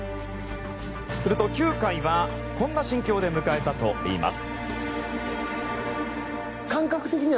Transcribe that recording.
すると９回はこんな心境で迎えたといいます。